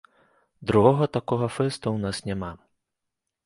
Другога такога фэсту ў нас няма.